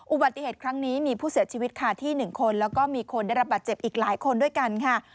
อุบัติเหตุครั้งนี้มีผู้เสียชีวิตค่ะที่๑คนแล้วก็มีคนได้รับบาดเจ็บอีกหลายคนด้วยกันค่ะ